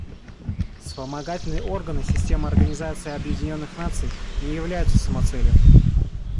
Вспомогательные органы системы Организации Объединенных Наций не являются самоцелью.